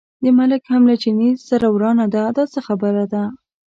د ملک هم له چیني سره ورانه ده، دا څه خبره ده.